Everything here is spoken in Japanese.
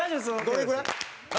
どれぐらい？